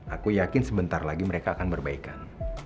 aku yakin sebentar lagi mereka akan perbaikan